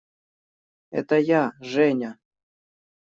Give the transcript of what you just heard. Это я – Женя!